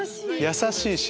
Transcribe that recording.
優しいし。